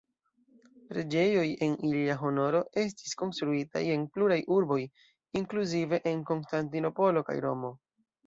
Preĝejoj en ilia honoro estis konstruitaj en pluraj urboj, inkluzive de Konstantinopolo kaj Romo.